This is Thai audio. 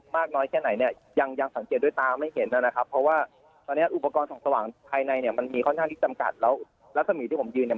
มันมีค่อนข้างที่จำกัดแล้วรัศมีรที่ผมยืนเนี้ย